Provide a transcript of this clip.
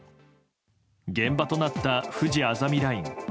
現場となった、ふじあざみライン。